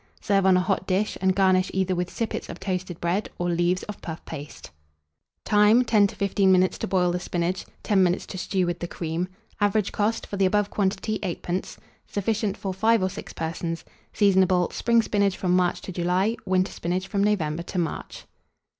Serve on a hot dish, and garnish either with sippets of toasted bread or leaves of puff paste. Time. 10 to 15 minutes to boil the spinach; 10 minutes to stew with the cream. Average cost for the above quantity, 8d. Sufficient for 5 or 6 persons. Seasonable. Spring spinach from March to July; winter spinach from November to March.